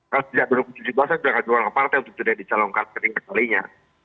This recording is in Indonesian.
kalau tidak berhubungan seperti itu saya tidak akan jual ke partai untuk sudah dicalonkan kering kekalinya